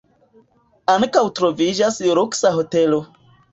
Ankaŭ troviĝas luksa hotelo.